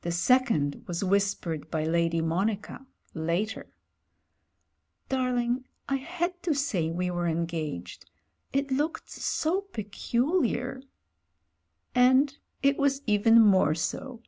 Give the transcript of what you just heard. The seccmd was whispered by Lady Monica — slater. "Darling, I had to say we were engaged : it looked so peculiar." And it was even more so.